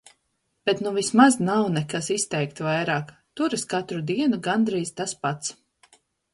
Bet nu vismaz nav nekas izteikti vairāk. Turas katru dienu gandrīz tas pats.